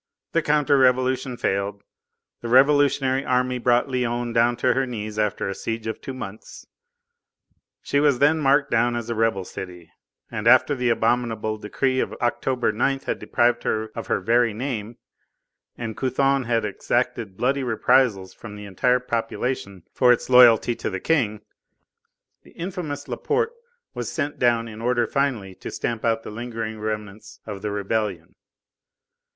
The counter revolution failed; the revolutionary army brought Lyons down to her knees after a siege of two months. She was then marked down as a rebel city, and after the abominable decree of October 9th had deprived her of her very name, and Couthon had exacted bloody reprisals from the entire population for its loyalty to the King, the infamous Laporte was sent down in order finally to stamp out the lingering remnants of the rebellion.